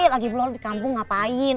lagi belom lu di kampung ngapain